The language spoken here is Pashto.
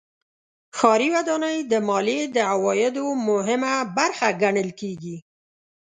ښاري ودانۍ د مالیې د عوایدو مهمه برخه ګڼل کېږي.